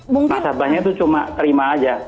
masalahnya itu cuma terima saja